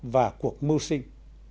và cuộc mưu sinh